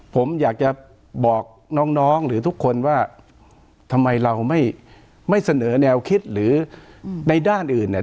ผมอยากจะบอกน้องหรือทุกคนว่าทำไมเราไม่เสนอแนวคิดหรือในด้านอื่นเนี่ย